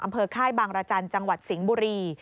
ค่ายบางรจันทร์จังหวัดสิงห์บุรี